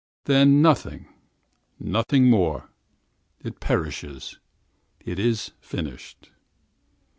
Then nothing—nothing more. It perishes, it is finished.